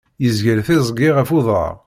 Yezger tiẓgi ɣef uḍar.